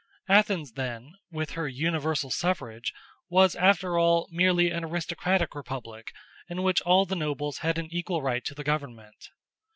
Athens, then, with her universal suffrage, was after all merely an aristocratic republic in which all the nobles had an equal right to the government.